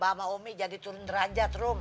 apa sama umi jadi turun derajat rum